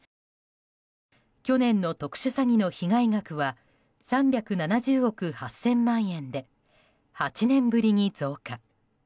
去年の特殊詐欺の被害額は３７０億８０００万円で８年ぶりに増加。